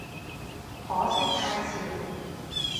可惜太遲